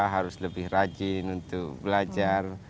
harus lebih rajin untuk belajar